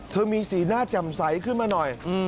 เธอมีสีหน้าจำใสขึ้นมาหน่อย